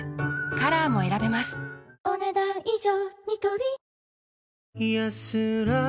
カラーも選べますお、ねだん以上。